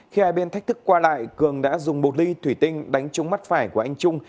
khi hai bên thách thức qua lại cường đã dùng bột ly thủy tinh đánh trúng mắt phải của anh trung